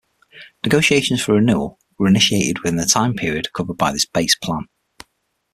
Negotiations for renewal were initiated within the time period covered by this Base Plan.